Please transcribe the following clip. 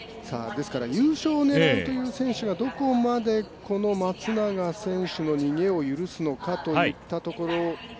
ですから優勝を狙うという選手がどこまで松永選手の逃げを許すのかといったところ。